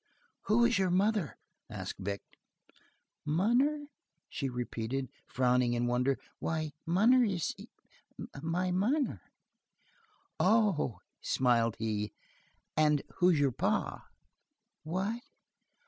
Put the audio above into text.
"Who is your mother?" asked Vic. "Munner?" she repeated, frowning in wonder. "Why, munner is my munner." "Oh," smiled he, "and who's your pa?" "What?"